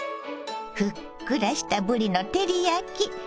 ふっくらしたぶりの照り焼き。